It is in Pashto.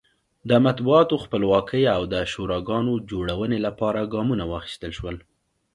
د مطبوعاتو خپلواکۍ او د شوراګانو جوړونې لپاره ګامونه واخیستل شول.